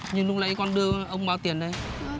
nhưng lúc nãy con đưa ông bao tiền đây